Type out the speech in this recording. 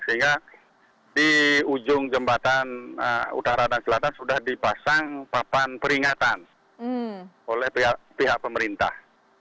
sehingga di ujung jembatan utara dan selatan sudah dipasang papan peringatan oleh pihak pemerintah